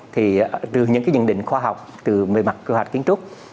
và trừ những cái nhận định khoa học từ mềm mặt cơ hoạch kiến trúc